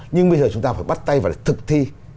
nhưng bây giờ chúng ta phải bắt tay và thực thi